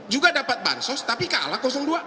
juga dapat bansos tapi kalah dua